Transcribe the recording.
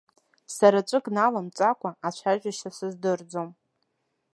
Сара ҵәык наламҵакәа ацәажәашьа сыздырӡом.